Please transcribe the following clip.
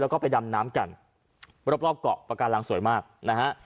แล้วก็ไปดำน้ำกันรอบรอบเกาะปากการังสวยมากนะฮะ